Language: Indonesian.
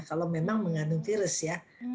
kalau memang mengandung virus ya